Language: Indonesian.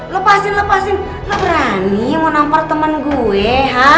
lepasin lepasin lo berani mau nampar temen gue